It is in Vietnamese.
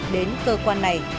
đến cơ quan này